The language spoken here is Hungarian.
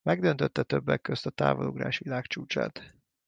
Megdöntötte többek közt a távolugrás világcsúcsát.